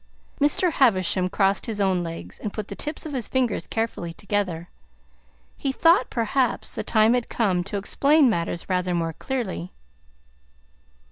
Mr. Havisham crossed his own legs and put the tips of his fingers carefully together. He thought perhaps the time had come to explain matters rather more clearly.